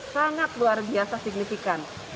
sangat luar biasa signifikan